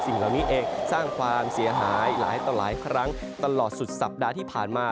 เหล่านี้เองสร้างความเสียหายหลายต่อหลายครั้งตลอดสุดสัปดาห์ที่ผ่านมา